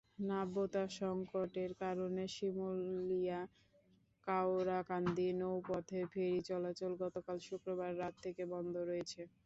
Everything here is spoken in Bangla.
নাব্যতা সংকটের কারণে শিমুলিয়া-কাওড়াকান্দি নৌপথে ফেরি চলাচল গতকাল শুক্রবার রাত থেকে বন্ধ রয়েছে।